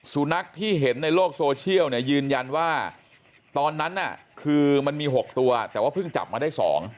สุนัขที่เห็นในโลกโซเชียลเนี่ยยืนยันว่าตอนนั้นน่ะคือมันมี๖ตัวแต่ว่าเพิ่งจับมาได้๒